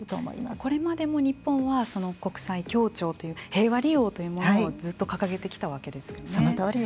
これまでも日本は国際協調という平和利用というものをずっと掲げてきたわけですよね。